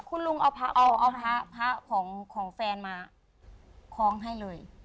คุณลุงเอาพระของแฟนมาคล้องให้เลย